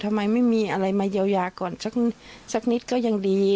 ทำไมไม่มีอะไรมาเยียวยาก่อนสักนิดก็ยังดี